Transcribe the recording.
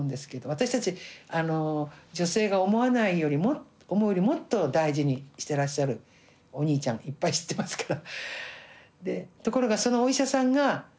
私たち女性が思うよりもっと大事にしてらっしゃるお兄ちゃんいっぱい知ってますから。